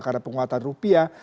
karena penguatan rupiah